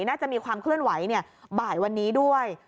น่าจะมีความเคลื่อนไหวบ่ายวันนี้ด้วย